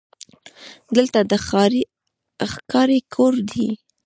دلته د ښکاري کور دی: